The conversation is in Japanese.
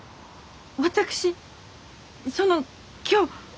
私その今日